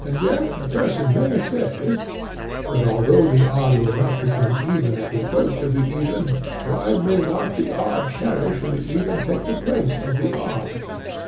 Yet a person may say: 'But although the odd will not become even at the approach of the even, why may not the odd perish and the even take the place of the odd?'